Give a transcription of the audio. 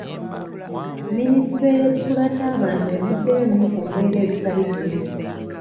Minisitule y’ekikula ky’abantu avuddeyo nnyo ku mbeera ezitali zimu.